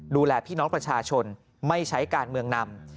ดูแลพี่น้องประชาชนไม่ใช้การเมืองนำ